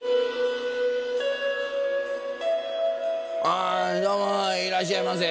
あどうもいらっしゃいませ。